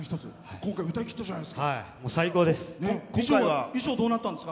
今回歌いきったじゃないですか。